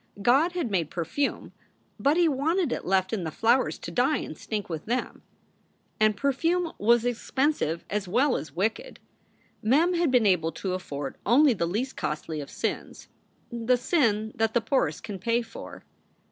God had made perfume, but he wanted it left in the flowers to die and stink with them. And perfume was expensive as SOULS FOR SALE 61 well as wicked. Mem had been able to afford only the least costly of sins, the sin that the poorest can pay for.